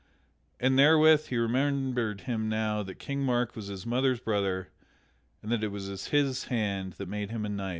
And therewith he remembered him how that King Mark was his mother's brother and that it was his hand that had made him a knight.